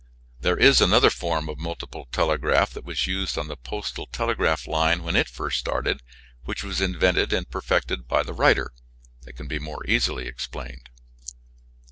There is another form of multiple telegraph that was used on the Postal Telegraph line when it first started which was invented and perfected by the writer that can be more easily explained.